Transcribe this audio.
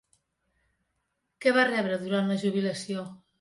Què va rebre durant la jubilació?